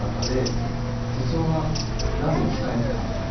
徹生がなぜ生き返ったのか。